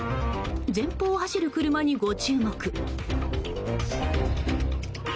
前方を走る車にご注目。